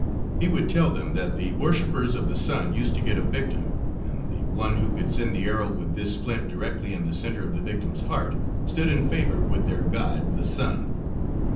He would tell them that the worshipers of the sun used to get a victim and the one who could send the arrow with this flint directly in the center of the victim's heart stood in favor with their god, the sun.